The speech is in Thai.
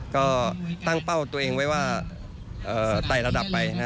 ก็ตั้งเป้าตัวเองไว้ว่าไต่ระดับไป